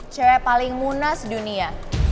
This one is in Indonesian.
cewek paling munas dunia